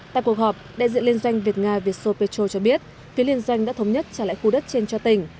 tại cuộc họp đại diện liên doanh việt nga vietso petro cho biết phía liên doanh đã thống nhất trả lại khu đất trên cho tỉnh